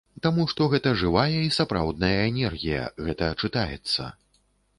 Таму што гэта жывая і сапраўдная энергія, гэта чытаецца.